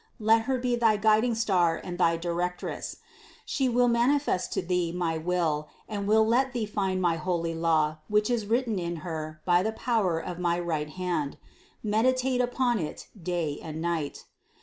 Let Her be thy guiding star and thy Directress : She will manifest to thee my will and will let thee find my holy law which is written in Her by the power of my right hand : meditate upon it day and night.